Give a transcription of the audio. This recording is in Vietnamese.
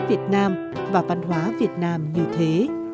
việt nam và văn hóa việt nam như thế